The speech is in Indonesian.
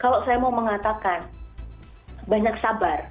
kalau saya mau mengatakan banyak sabar